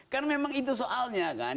kan memang itu soalnya kan